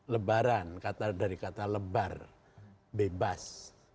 lebaran dari kata lebar bebas